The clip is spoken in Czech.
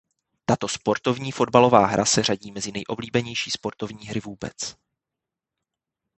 Tato sportovní fotbalová hra se řadí mezi nejoblíbenější sportovní hry vůbec.